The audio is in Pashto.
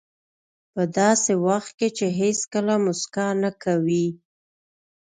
په داسې وخت کې چې هېڅکله موسکا نه کوئ.